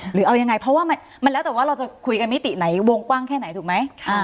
หรือเอายังไงเพราะว่ามันแล้วแต่ว่าเราจะคุยกันมิติไหนวงกว้างแค่ไหนถูกไหม